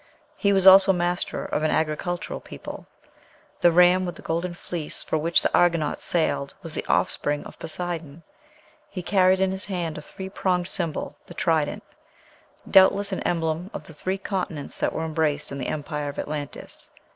He was also master of an agricultural people; "the ram with the golden fleece for which the Argonauts sailed was the offspring of Poseidon." He carried in his hand a three pronged symbol, the trident, doubtless an emblem of the three continents that were embraced in the empire of Atlantis.